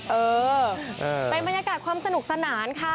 เออเป็นบรรยากาศความสนุกสนานค่ะ